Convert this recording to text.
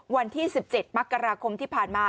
วันที่๑๗มกราคมที่ผ่านมา